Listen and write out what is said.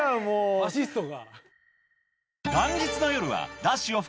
アシストが。